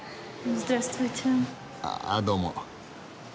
ああっどうも。